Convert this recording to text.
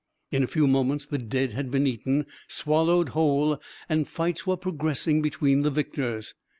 In a few moments, the dead had been eaten, swallowed whole, and fights were progressing between the victors.